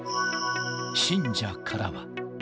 信者からは。